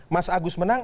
mas agus menang